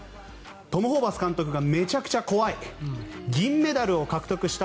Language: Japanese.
トム・ホーバス監督がめちゃくちゃ怖い銀メダルを獲得した